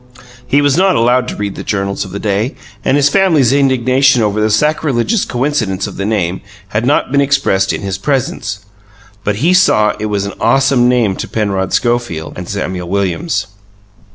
He was not allowed to read the journals of the day and his family's indignation over the sacrilegious coincidence of the name had not been expressed in his presence. But he saw that it was an awesome name to Penrod Schofield and Samuel Williams.